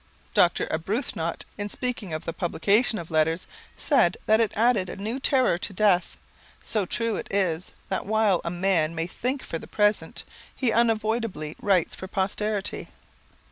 Dr. Arbuthnot, in speaking of the publication of letters, said that it added a new terror to death, so true it is that while a man may think for the present, he unavoidably writes for posterity.